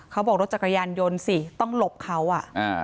เขาบอกว่ารถจักรยานยนต์สิต้องหลบเขาอ่ะ